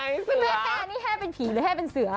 แม่นี่แค่เป็นผีหรือแค่เป็นเสือ